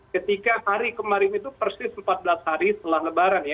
ketika hari kemarin itu persis empat belas hari setelah lebaran ya